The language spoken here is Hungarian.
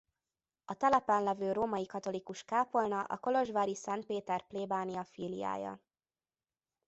A telepen levő római katolikus kápolna a kolozsvári Szent Péter-plébánia filiája.